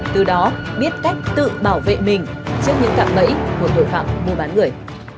từ đó biết cách tự bảo vệ mình trước những cặp bẫy của tội phạm mua bán người